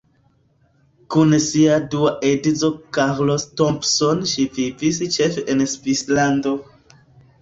Kun sia dua edzo Carlos Thompson ŝi vivis ĉefe en Svislando.